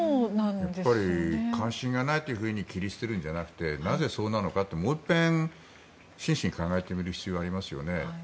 やっぱり、関心がないと切り捨てるんじゃなくてなぜそうなのかってもう一遍真摯に考えてみる必要がありますよね。